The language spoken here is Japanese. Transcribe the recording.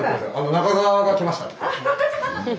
中澤が来ましたって。